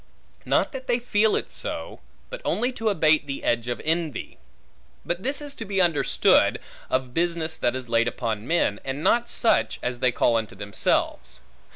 Not that they feel it so, but only to abate the edge of envy. But this is to be understood, of business that is laid upon men, and not such, as they call unto themselves.